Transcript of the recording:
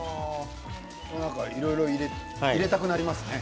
いろいろ入れたくなりますね。